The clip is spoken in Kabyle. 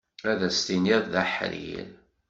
Ad as-tiniḍ d aḥrir.